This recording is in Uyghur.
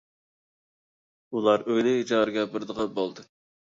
ئۇلار ئۆيىنى ئىجارىگە بېرىدىغان بولدى.